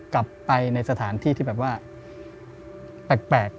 กลับไปในสถานที่ที่แบบว่าแปลก